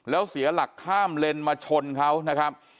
แล้วเสียหลักข้ามเลนมาชนเขานะครับ